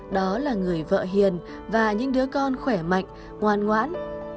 đó là người vợ hiền và những đứa con khỏe mạnh ngoan ngoãn